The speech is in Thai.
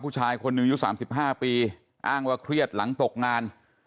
ผู้ชายคนหนึ่งยุซังสิบห้าปีอ้างว่าเครียดหลังตกงาน